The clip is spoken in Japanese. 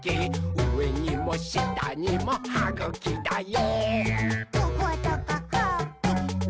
うえにもしたにもはぐきだよ！」